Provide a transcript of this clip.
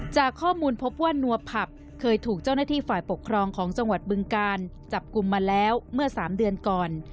จากข้อมูลพบว่านัวผับเคยถูกเจ้าหน้าที่ฝ่ายปกครองของจังหวัดบึงการจับกลุ่มมาแล้วเมื่อ๓เดือนก่อน